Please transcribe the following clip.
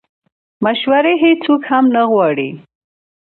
مشورې هیڅوک هم نه غواړي